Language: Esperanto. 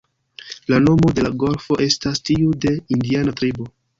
La nomo de la golfo estas tiu de indiana tribo.